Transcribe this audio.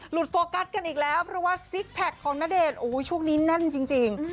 โฟกัสกันอีกแล้วเพราะว่าซิกแพคของณเดชน์ช่วงนี้แน่นจริง